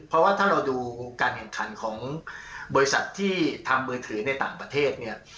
เพราะว่าถ้าเราดูการแข่งขันของบริษัทที่ทำมือถือในต่างประเทศเนี่ย